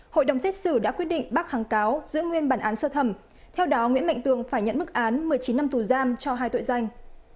hội đồng xét xử đã quyết định bác kháng cáo giữ nguyên bản án sơ thẩm theo đó nguyễn mạnh tường phải nhận mức án một mươi chín năm tù giam cho hai tội danh